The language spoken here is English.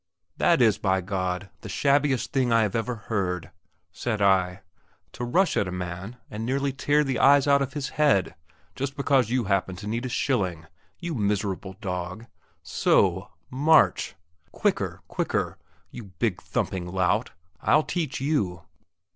"That is, by God! the shabbiest thing I ever heard," said I, "to rush at a man and nearly tear the eyes out of his head just because you happen to need a shilling, you miserable dog! So o, march! quicker! quicker! you big thumping lout; I'll teach you."